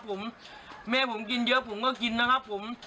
ผมแม่ผมกินเยอะผมก็กินนะครับผม